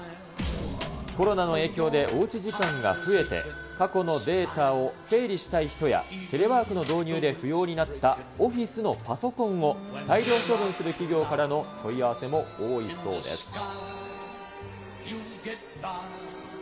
コロナの影響で、おうち時間が増えて、過去のデータを整理したい人や、テレワークの導入で不要になったオフィスのパソコンを大量処分する企業からの問い合わせも多いそうです。